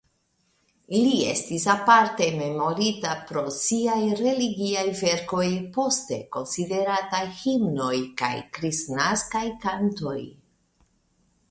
Li estis aparte memorita pro siaj religiaj verkoj poste konsiderataj himnoj kaj kristnaskaj kantoj.